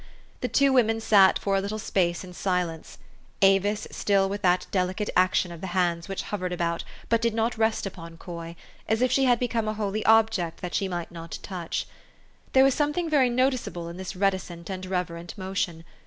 The two women sat for a little space in silence ; Avis still with that delicate action of the hands which hovered about, but did not rest upon Coy, as if she had become a holy object that she might not touch. There was something very noticeable in this reticent and reverent motion.